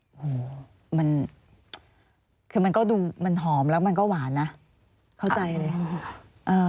โอ้โหมันคือมันก็ดูมันหอมแล้วมันก็หวานนะเข้าใจเลย